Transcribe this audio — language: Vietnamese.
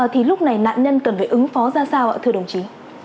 thì lúc này nạn nhân cần phải ứng phó ra sao ạ thưa đồng chí